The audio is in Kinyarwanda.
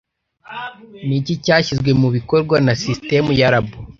Niki cyashyizwe mubikorwa na sisitemu ya LABO